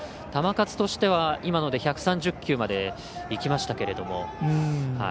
球数としては今ので１３０球までいきましたけれども。